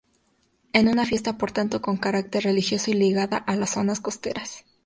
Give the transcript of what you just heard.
Es una fiesta, por tanto, con carácter religioso y ligada a las zonas costeras.